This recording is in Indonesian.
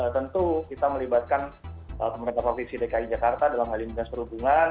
tentu kita melibatkan pemerintah provinsi dki jakarta dalam hal ini dinas perhubungan